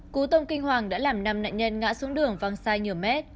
cú tông kinh hoàng đã làm năm nạn nhân ngã xuống đường văng sai nhiều mét